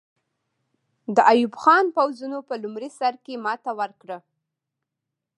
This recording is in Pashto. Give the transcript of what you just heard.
د ایوب خان پوځونو په لومړي سر کې ماته وکړه.